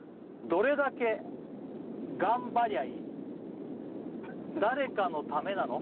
どれだけがんばりゃいい誰かのためなの？